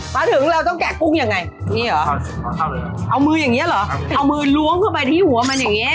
มาถึงเราต้องแกะกุ้งยังไงนี่เหรอเอามืออย่างเงี้เหรอเอามือล้วงเข้าไปที่หัวมันอย่างเงี้